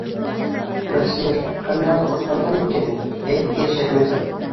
Насир, Камиланы ҡотҡарған икәнһең, әйт, йәшермә.